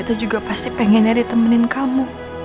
itu juga pasti pengennya ditemenin kamu